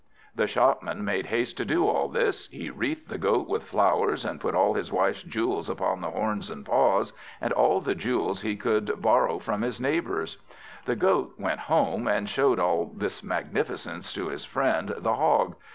The Shopman made haste to do all this; he wreathed the Goat with flowers, and put all his wife's jewels upon the horns and paws, and all the jewels he could borrow from his neighbours. The Goat went home, and showed all this magnificence to his friend the Hog.